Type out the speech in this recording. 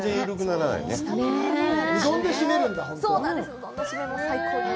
うどんで締めるんだ？